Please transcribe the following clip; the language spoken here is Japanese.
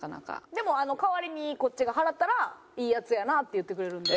でも代わりにこっちが払ったら「いいヤツやな」って言ってくれるんで。